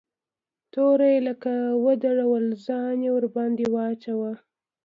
توره يې لکه ودروله ځان يې ورباندې واچاوه.